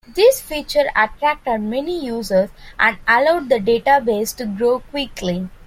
This feature attracted many users and allowed the database to grow quickly.